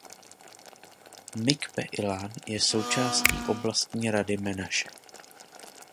Micpe Ilan je součástí Oblastní rady Menaše.